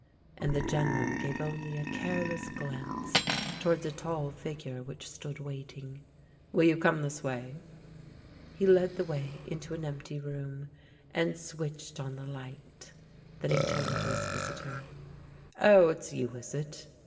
" and the General gave only a careless glance towards a tall figure which stood waiting. "Will you come this way?" He led the way into an empty room, and switched on the light. Then he turned to his visitor. " Oh, it's you, is it?"